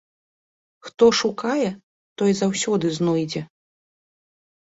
Хто шукае, той заўсёды знойдзе.